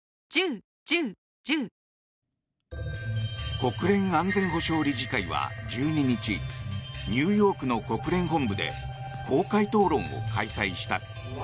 国連安全保障理事会は１２日ニューヨークの国連本部で公開討論を開催した。